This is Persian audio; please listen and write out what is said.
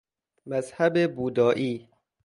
مذهب بودائی